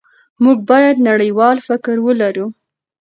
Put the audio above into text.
موږ باید نړیوال فکر ولرو.